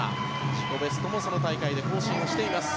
自己ベストもその大会で更新しています。